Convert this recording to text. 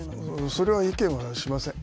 それは意見はしません。